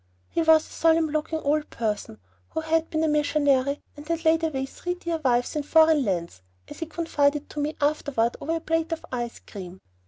He was a solemn looking old person, who had been a missionary, and "had laid away three dear wives in foreign lands," as he confided to me afterward over a plate of ice cream.